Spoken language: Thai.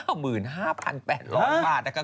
แม่เงินในบัญชีนี้เยอะด้วยไงเขาเข้าใจไหม